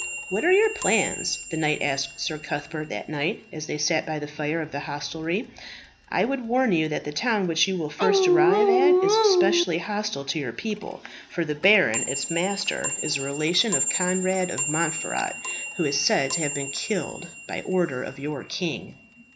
"What are your plans?" the knight asked Sir Cuthbert that night, as they sat by the fire of the hostelry. "I would warn you that the town which you will first arrive at is specially hostile to your people, for the baron, its master, is a relation of Conrad of Montferat, who is said to have been killed by order of your king."